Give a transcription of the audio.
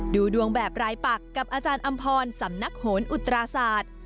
ดูดวงแบบรายปักกับอาจารย์อำพรสำนักโหนอุตราศาสตร์